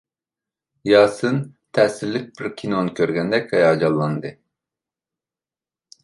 ياسىن تەسىرلىك بىر كىنو كۆرگەندەك ھاياجانلاندى.